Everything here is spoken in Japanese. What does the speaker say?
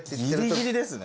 ギリギリですね。